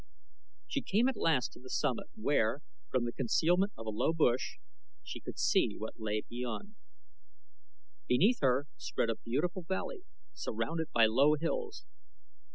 She came at last to the summit, where, from the concealment of a low bush, she could see what lay beyond. Beneath her spread a beautiful valley surrounded by low hills.